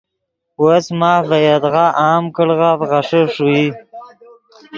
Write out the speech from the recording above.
وس ماف ڤے یدغا عام کڑغف غیݰے ݰوئی